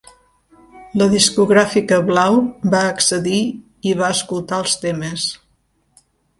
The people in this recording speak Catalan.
La discogràfica Blau va accedir i va escoltar els temes.